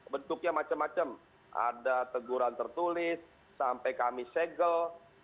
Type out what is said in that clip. bentuknya macam macam ada teguran tertulis sampai kami segel